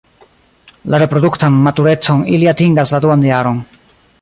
La reproduktan maturecon ili atingas la duan jaron.